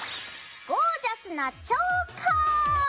ゴージャスなチョーカー。